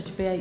và cũng để